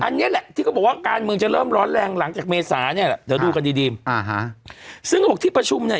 อันเนี้ยแหละที่เขาบอกว่าการมืนจะเริ่มร้อนแรงหลังจากเมษานี้อ่ะเดี๋ยวดูกันดี